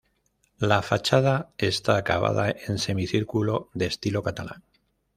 La fachada está acabada en semicírculo, de estilo catalán.